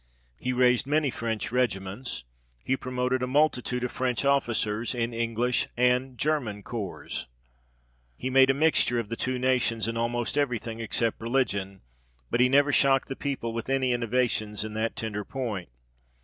He raised many French regi ments ; he promoted a multitude of French officers in English and German corps ; he made a mixture of the two nations, in almost every thing except religion ; but he never shocked the people with any innovations in that tender point.